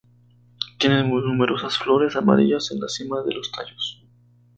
Tiene numerosas flores amarillas en la cima de los tallos.